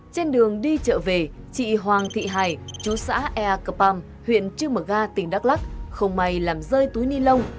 trên đường đi chợ về chị hoàng thị hải chú xã ea cờ pam huyện trư mờ ga tỉnh đắk lắc không may làm rơi túi ni lông